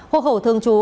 hộ hậu thương chú